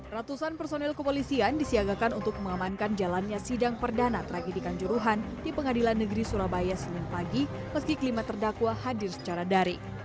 ratusan personil kepolisian disiagakan untuk mengamankan jalannya sidang perdana tragedikan juruhan di pengadilan negeri surabaya senin pagi meski kelima terdakwa hadir secara daring